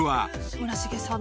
村重さん